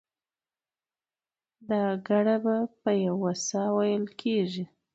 دا ګړه په یوه ساه وېل کېږي.